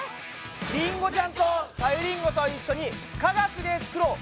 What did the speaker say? りんごちゃんとさゆりんごと一緒に科学で作ろう！